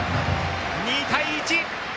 ２対１。